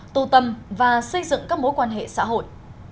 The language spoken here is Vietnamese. tù tâm và xây dựng các mối quan hệ xã hội